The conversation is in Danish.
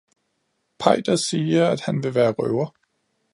Peiter sagde, at han ville være røver